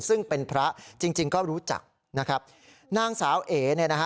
ซึ่งเป็นพระจริงจริงก็รู้จักนะครับนางสาวเอ๋เนี่ยนะฮะ